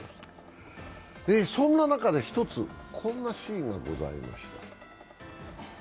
そんな中で、一つ、こんなシーンがございました。